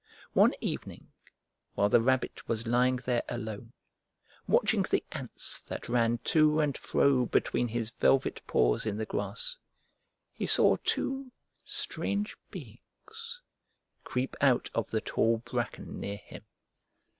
One evening, while the Rabbit was lying there alone, watching the ants that ran to and fro between his velvet paws in the grass, he saw two strange beings creep out of the tall bracken near him.